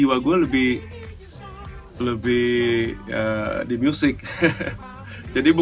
jadi gue gak pernah nonton video video yang lainnya